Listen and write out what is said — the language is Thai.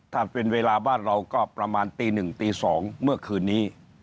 ถ้าเป็นเวลาบ้านเราก็ประมาณตี๑ตี๒เมื่อคืนนี้